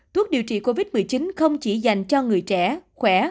thuốc điều trị covid một mươi chín không chỉ dành cho người trẻ khỏe